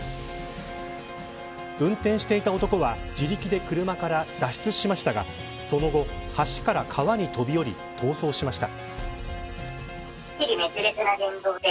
運転していた男は自力で車から脱出しましたがその後、橋から川に飛び降り逃走しました。